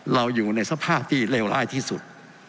เราอยู่ในสภาพที่เลวร้ายที่สุด